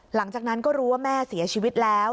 หลังจากนั้นก็รู้ว่าแม่เสียชีวิตแล้ว